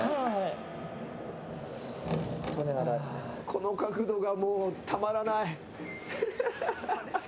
この角度がもうたまらない。